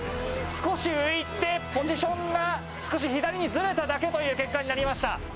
少し浮いて、ポジションが少し左にずれただけという結果になりました。